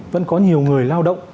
vẫn có nhiều người lao động